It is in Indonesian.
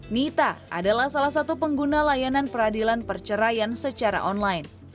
nita adalah salah satu pengguna layanan peradilan perceraian secara online